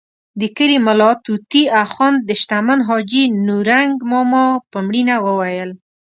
د کلي ملا طوطي اخند د شتمن حاجي نورنګ ماما په مړینه وویل.